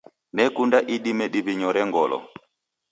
Nekunda idime diw'inyorore ngolo.